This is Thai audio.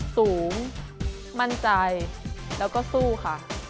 สูงมั่นใจแล้วก็สู้ค่ะ